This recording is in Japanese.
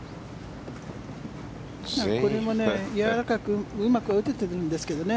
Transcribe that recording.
これもやわらかくうまくは打ててるんですけどね。